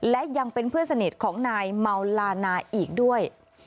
และยังเป็นเพื่อนสนิทของนายเมาลานาอีกด้วย